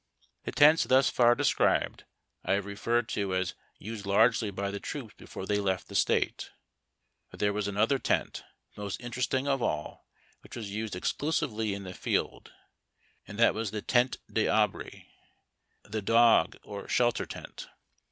The tents thus far described I have referred to as used largely by the troops before they left the State. But there was another tent, the most interesting of all, which was used exclusively in the field, and that was Tente d'Ahri — the Dog or Shelter Tent.